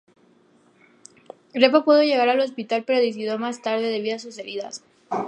Repo pudo llegar al hospital, pero pereció más tarde debido a sus heridas.